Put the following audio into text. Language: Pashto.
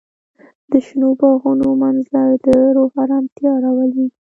د شنو باغونو منظر د روح ارامتیا راولي.